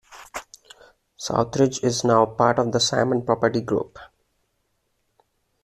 Southridge is now part of the Simon Property Group.